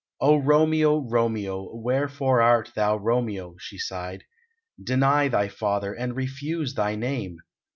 "O Romeo, Romeo! Wherefore art thou Romeo?" she sighed. "Deny thy father, and refuse thy name.